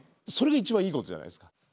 それが一番いいことじゃないですか。